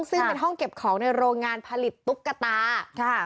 ซึ่งเป็นห้องเก็บของในโรงงานผลิตตุ๊กตาค่ะ